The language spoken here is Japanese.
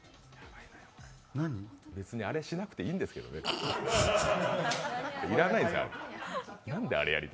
別にあれしなくていいんですけどね、いらないですあれ。